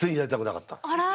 あら。